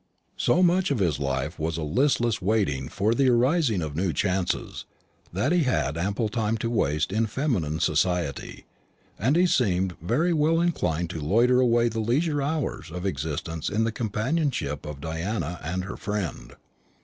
So much of his life was a listless waiting for the arising of new chances, that he had ample time to waste in feminine society, and he seemed very well inclined to loiter away the leisure hours of existence in the companionship of Diana and her friend.